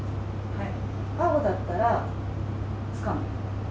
はい。